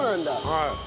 はい。